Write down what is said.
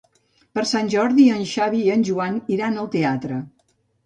Per Sant Jordi en Xavi i en Joan iran al teatre.